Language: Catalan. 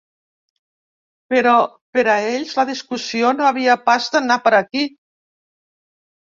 Però per a ells la discussió no havia pas d'anar per aquí.